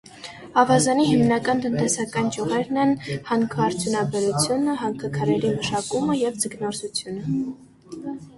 Ավազանի հիմնական տնտեսական ճյուղերն են հանքարդյունաբերությունը, հանքաքարերի մշակումը և ձկնորսությունը։